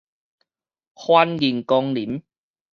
歡迎光臨